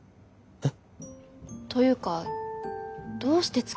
えっ？